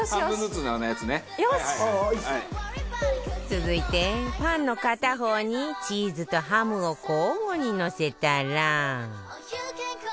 続いてパンの片方にチーズとハムを交互にのせたら